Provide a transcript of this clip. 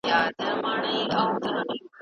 خدای ادم ته د شیانو نومونه وښودل.